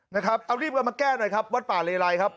นะครับเอารีบกันมาแก้หน่อยครับวัดป่าเลไลครับ